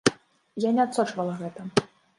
Я не адсочвала гэта.